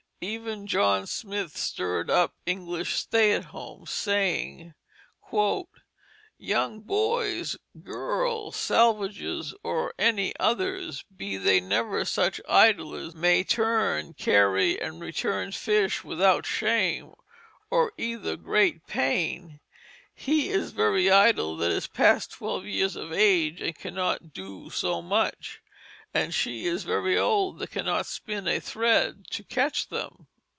Even John Smith stirred up English stay at homes, saying: "Young boyes, girles, salvages or any others, bee they never such idlers, may turne, carry, and returne fish without shame, or either greate paine: hee is very idle that is past twelve years of age and cannot doe so much; and shee is very old that cannot spin a thread to catch them."